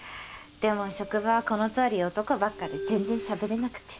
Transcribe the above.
でも職場はこのとおり男ばっかで全然しゃべれなくて。